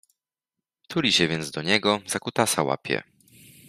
Tuli się więc do niego, za kutasa łapie